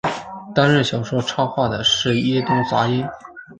担任小说插画的是伊东杂音。